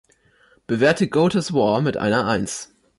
Bewerte Gota‘s War mit einer eins.